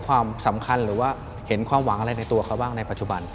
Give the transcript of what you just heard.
ความสำคัญหรือว่าเห็นความหวังอะไรในตัวเขาบ้างในปัจจุบัน